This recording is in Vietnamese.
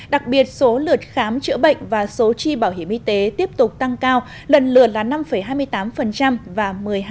đặc biệt số lượt khám chữa bệnh và số tri bảo hiểm y tế tiếp tục tăng cao lần lượt là năm hai mươi tám và một mươi hai sáu mươi bốn